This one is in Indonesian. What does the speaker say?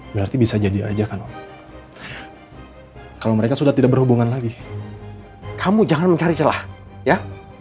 berarti bisa jadi ajakan kalau mereka sudah tidak berhubungan lagi kamu jangan mencari celah ya